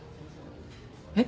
えっ？